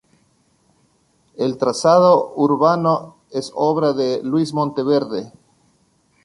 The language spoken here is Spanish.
El trazado urbano es obra de Luis Monteverde.